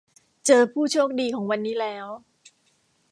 เจอผู้โชคดีของวันนี้แล้ว